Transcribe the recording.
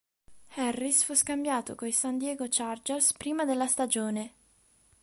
Harris fu scambiato coi San Diego Chargers prima della stagione.